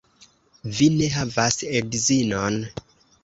Vi ne havas edzinon?